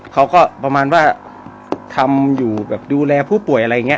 เขาก็ประมาณว่าทำอยู่แบบดูแลผู้ป่วยอะไรอย่างนี้